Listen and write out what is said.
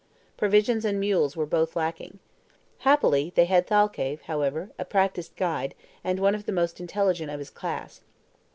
Provisions and mules were both lacking. Happily, they had Thalcave, however, a practised guide, and one of the most intelligent of his class.